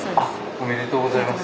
ありがとうございます。